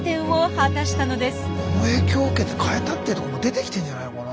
この影響を受けて変えたってとこも出てきてんじゃないのかな。